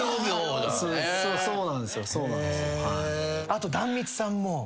あと壇蜜さんも。